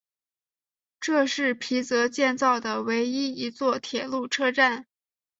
这是皮泽建造的唯一一座铁路车站。